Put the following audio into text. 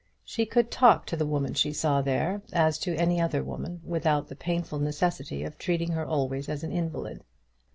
She could talk to the woman she saw there, as to any other woman, without the painful necessity of treating her always as an invalid.